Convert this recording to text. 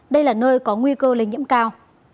đây là nơi có nguy cơ lây nhiễm cao